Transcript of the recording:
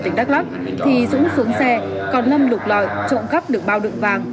trong tỉnh đắk lắk thì dũng xuống xe còn năm lục lợi trộm cắp được bao đựng vàng